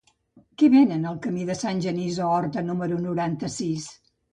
Què venen al camí de Sant Genís a Horta número noranta-sis?